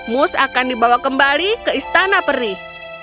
mus akan dibawa kembali ke istana perih